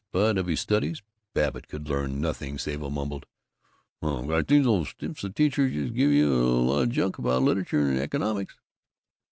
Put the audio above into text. But of his studies Babbitt could learn nothing save a mumbled, "Oh, gosh, these old stiffs of teachers just give you a lot of junk about literature and economics."